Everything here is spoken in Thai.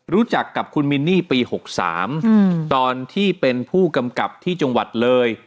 รู้จักกับคุณมินนี่ปี๖๓ตอนที่เป็นผู้กำกับที่จังหวัดเลย